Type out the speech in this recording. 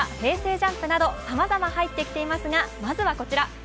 ＪＵＭＰなどさまざま入ってきていますがまずはこちら。